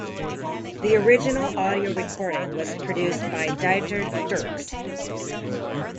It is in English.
The original audio recording was produced by Dieter Dierks.